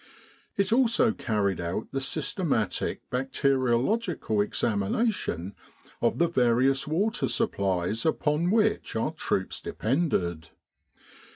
It also carried out the systematic bacteriological examination of the various water supplies upon which our troops depended.